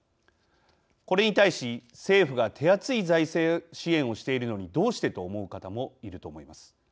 これに対し、政府が手厚い財政支援をしているのにどうしてと思う方もいると思います。